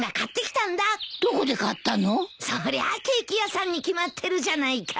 そりゃケーキ屋さんに決まってるじゃないか。